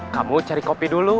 kamu cari kopi dulu